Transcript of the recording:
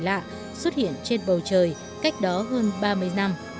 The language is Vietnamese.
vật thể lạ xuất hiện trên bầu trời cách đó hơn ba mươi năm